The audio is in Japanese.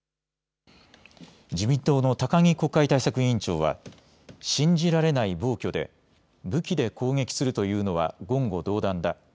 自民党の高木国会対策委員長は信じられない暴挙で武器で攻撃するというのは言語道断だ。